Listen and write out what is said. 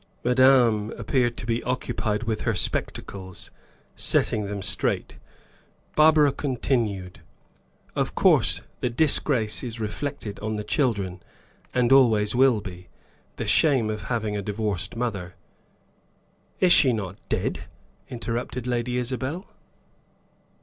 Madame appeared to be occupied with her spectacles, setting them straight. Barbara continued, "Of course the disgrace is reflected on the children, and always will be; the shame of having a divorced mother " "Is she not dead?" interrupted Lady Isabel.